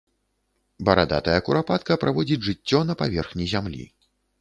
Барадатая курапатка праводзіць жыццё на паверхні зямлі.